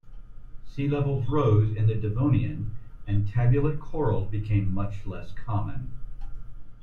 Sea levels rose in the Devonian, and tabulate corals became much less common.